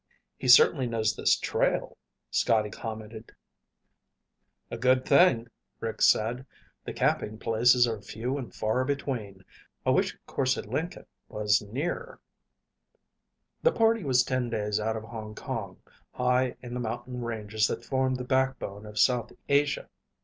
"He certainly knows this trail," Scotty commented. "A good thing," Rick said. "The camping places are few and far between. I wish Korse Lenken were nearer." The party was ten days out of Hong Kong, high in the mountain ranges that formed the backbone of south Asia.